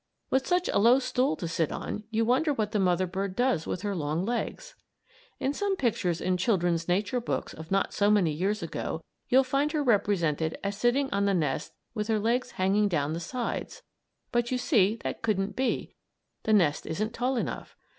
With such a low stool to sit on you wonder what the mother bird does with her long legs. In some pictures in children's nature books of not so many years ago you'll find her represented as sitting on the nest with her legs hanging down the sides but you see that couldn't be; the nest isn't tall enough.